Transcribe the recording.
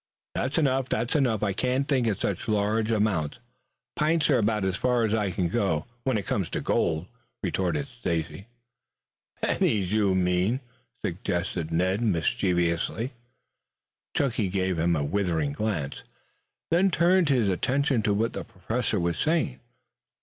"That's enough! That's enough! I can't think in such large amounts. Pints are about as far as I can go when it comes to gold," retorted Stacy. "Pennies, you mean," suggested Ned mischievously. Chunky gave him a withering glance, then turned his attention to what the Professor was saying.